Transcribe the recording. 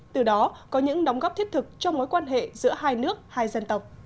từ đó có những đóng góp thiết thực cho mối quan hệ giữa hai nước hai dân tộc